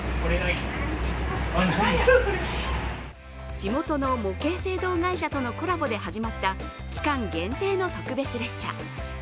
地元の模型製造会社とのコラボで始まった期間限定の特別列車。